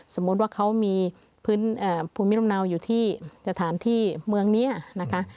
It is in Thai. สมมุติว่าเขามีพื้นภูมิลำเนาอยู่ที่สถานที่เมืองนี้นะคะ